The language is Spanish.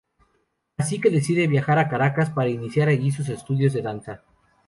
Así que decide viajar a Caracas para iniciar allí sus estudios de danza.